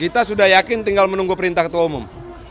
kita sudah yakin tinggal menunggu perintah ketua umum